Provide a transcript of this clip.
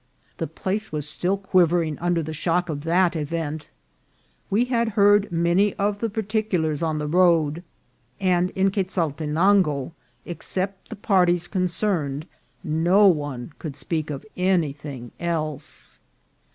The place was still quivering under the shock of that event. We had heard many of the particulars on the road, and in Quezaltenango, except the parties concerned, no one could speak of anything else.